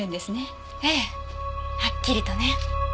ええはっきりとね。